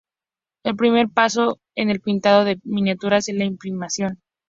El primer paso en el pintado de miniaturas es la imprimación.